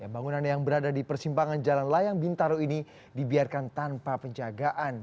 bangunan yang berada di persimpangan jalan layang bintaro ini dibiarkan tanpa penjagaan